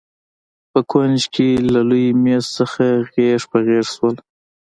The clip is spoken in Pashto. په کونج کې له لوی مېز څخه غېږ په غېږ شول.